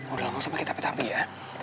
udah langsung pakai tapi ya